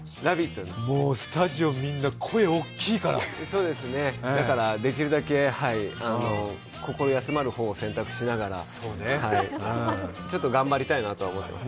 もうスタジオみんな声、大きいからだからできるだけ心休まる方を選択しながらちょっと頑張りたいなと思っています。